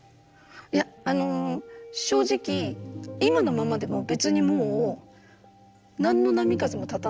いやあの正直今のままでも別にもう何の波風も立たないんです。